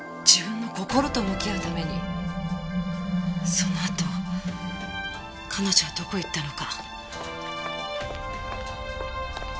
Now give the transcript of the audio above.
そのあと彼女はどこへ行ったのか。